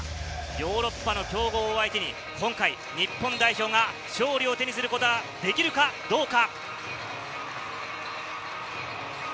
ヨーロッパの強豪を相手に今回、日本代表が勝利を手にすることができるかどうか。